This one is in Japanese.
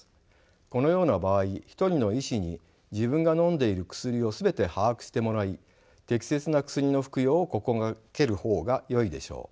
このような場合一人の医師に自分がのんでいる薬を全て把握してもらい適切な薬の服用を心がける方がよいでしょう。